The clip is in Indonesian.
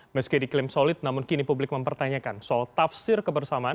meski diklaim solid namun kini publik mempertanyakan soal tafsir kebersamaan